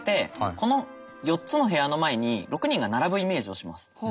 この４つの部屋の前に６人が並ぶイメージをします。